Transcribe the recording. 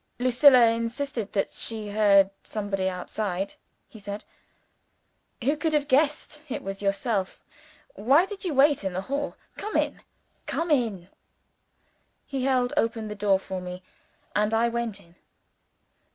"Lucilla insisted that she heard somebody outside," he said. "Who could have guessed it was you? Why did you wait in the hall? Come in! come in!" He held open the door for me; and I went in.